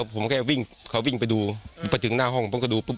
ผมแค่วิ่งเขาวิ่งไปดูไปถึงหน้าห้องผมก็ดูปุ๊